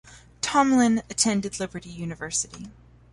Tomlin attended Liberty University.